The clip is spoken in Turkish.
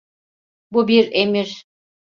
Bu bir emir.